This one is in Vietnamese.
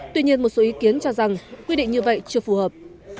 tuy nhiên một số ý kiến cho rằng quy định như vậy chưa phù hợp